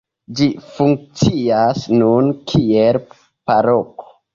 Ĝi funkcias nun kiel paroko.